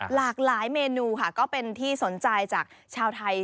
หลากหลายเมนูค่ะก็เป็นที่สนใจจากชาวไทย